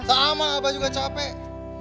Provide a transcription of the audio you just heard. sama abah juga capek